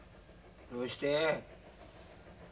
どうして？